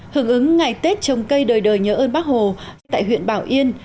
hưởng ứng ngày tết trồng cây đời đời nhớ ơn bác hồ tại huyện bảo yên